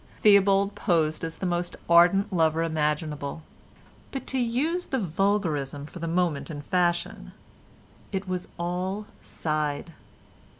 Theobald posed as the most ardent lover imaginable, but, to use the vulgarism for the moment in fashion, it was all "side."